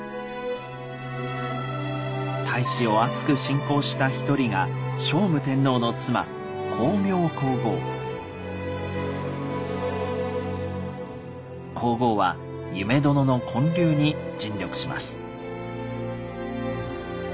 太子をあつく信仰した一人が聖武天皇の妻皇后は夢殿の建立に尽力します。